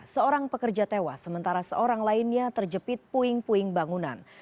seorang pekerja tewas sementara seorang lainnya terjepit puing puing bangunan